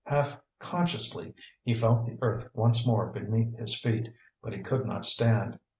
Half consciously he felt the earth once more beneath his feet, but he could not stand.